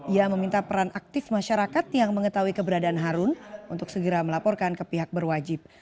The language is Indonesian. ia meminta peran aktif masyarakat yang mengetahui keberadaan harun untuk segera melaporkan ke pihak berwajib